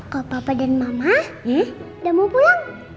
kalo papa dan mama udah mau pulang